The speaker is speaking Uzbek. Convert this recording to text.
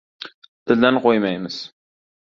Tildan qo‘ymaymiz.